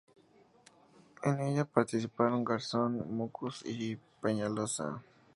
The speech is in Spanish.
En ella participaron Garzón, Mockus y Peñalosa.